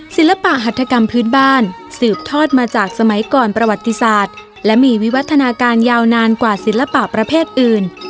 ศิลปะหัตถกรรมพื้นบ้านสืบทอดมาจากสมัยก่อนประวัติศาสตร์และมีวิวัฒนาการยาวนานกว่าศิลปะประเภทอื่น